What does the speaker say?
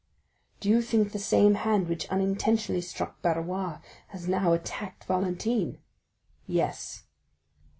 "Do you think the same hand which unintentionally struck Barrois has now attacked Valentine?" "Yes."